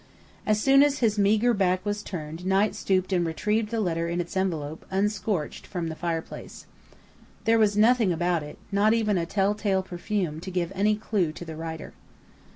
As soon as his meagre back was turned Knight stooped and retrieved the letter in its envelope, unscorched, from the fireplace. There was nothing about it not even a tell tale perfume to give any clue to the writer.